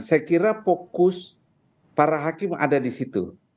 saya kira fokus para hakim ada di situ